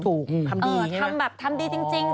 ถูกทำดีเนี่ยทำแบบทำดีจริง